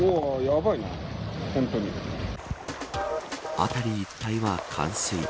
辺り一帯は冠水。